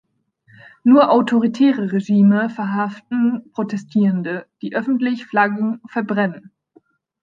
Nur autoritäre Regime verhaften Protestierende, die öffentlich Flaggen verbrennen.